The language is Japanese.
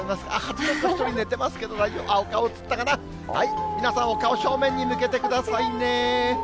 ちょっと１人寝てますけど、あっ、お顔映ったかな、皆さん、お顔正面に向けてくださいね。